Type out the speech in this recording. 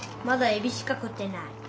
まだえびしか食ってない。